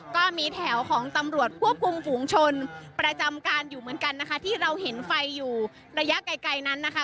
ก็มีแถวของตำรวจควบคุมฝูงชนประจำการอยู่เหมือนกันนะคะที่เราเห็นไฟอยู่ระยะไกลไกลนั้นนะคะ